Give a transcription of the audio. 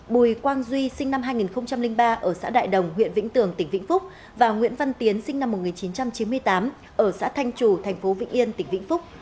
bùi quang duy sinh năm hai nghìn ba ở xã đại đồng huyện vĩnh tường tỉnh vĩnh phúc và nguyễn văn tiến sinh năm một nghìn chín trăm chín mươi tám ở xã thanh chủ thành phố vĩnh yên tỉnh vĩnh phúc